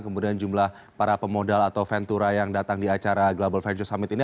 kemudian jumlah para pemodal atau ventura yang datang di acara global venture summit ini